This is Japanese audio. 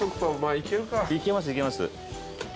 いけますいけます。